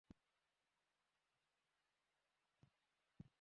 তোমরা সকলে মিলে আমার বিরুদ্ধে ষড়যন্ত্র পাকাও এবং আমাকে মোটেই অবকাশ দিও না।